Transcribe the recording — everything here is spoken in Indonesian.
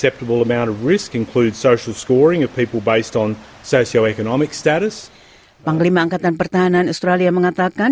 pasolima angkatan pertahanan australia mengatakan